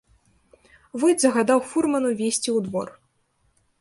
Войт загадаў фурману везці ў двор.